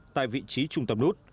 tại vị trí trung tâm nút